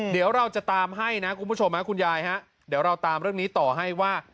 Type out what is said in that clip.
เดี๋ยวเราจะตามให้นะคุณผู้ชมคุณยายฮะเดี๋ยวเราตามเรื่องนี้ต่อให้ว่า